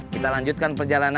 kita lanjutkan perjalanan ini ya